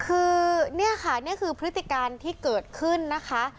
คือเนี่ยค่ะนี่คือพฤติการที่เกิดขึ้นนะคะ